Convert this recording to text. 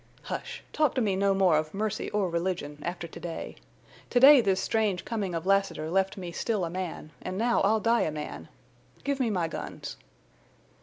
'" "Hush! Talk to me no more of mercy or religion—after to day. To day this strange coming of Lassiter left me still a man, and now I'll die a man!... Give me my guns."